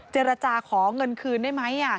เจรจาขอเงินคืนได้ไหม